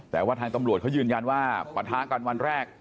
แต่ว่าทางตำรวจเขายืนยันว่าปะทะกันวันแรก